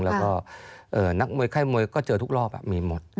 แล้วก็นักมวยค่ายมวยก็เจอทุกรอบมีหมด